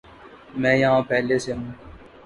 میں یہاں پہلے سے ہوں